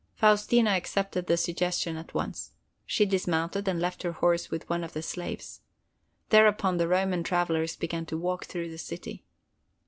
Faustina accepted the suggestion at once. She dismounted, and left her horse with one of the slaves. Thereupon the Roman travelers began to walk through the city.